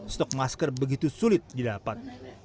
stok masker begitu sulit didapat